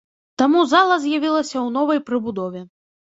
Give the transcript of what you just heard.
Таму зала з'явілася ў новай прыбудове.